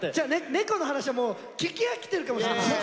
猫の話はもう聞き飽きてるかもしれないんで。